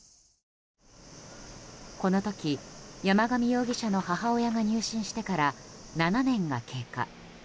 この時、山上容疑者の母親が入信してから７年が経過。